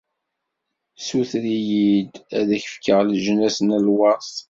Ssuter-iyi-d, ad ak-fkeɣ leǧnas d lweṛt.